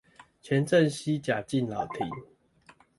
前鎮西甲敬老亭